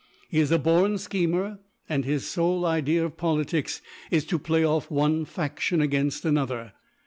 He is a born schemer, and his sole idea of politics is to play off one faction against another.